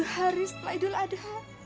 sepuluh hari setelah idul adha